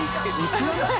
映らない？